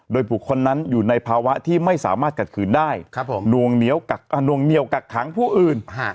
โดยบุคคลนั้นอยู่ในภาวะที่ไม่สามารถขัดขืนได้นวงเหนียวกักขังผู้อื่น